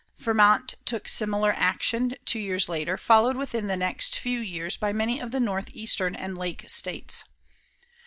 Vermont took similar action two years later, followed within the next few years by many of the northeastern and lake states.